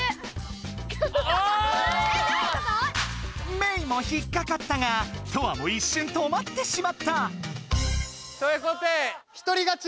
メイもひっかかったがトアもいっしゅん止まってしまった！ということで１人勝ち！